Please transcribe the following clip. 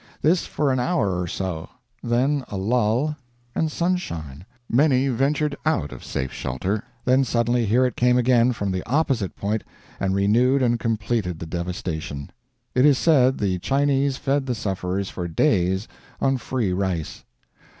This for an hour or so. Then a lull and sunshine; many ventured out of safe shelter; then suddenly here it came again from the opposite point and renewed and completed the devastation. It is said the Chinese fed the sufferers for days on free rice.